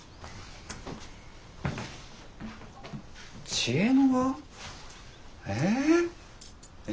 知恵の輪？え？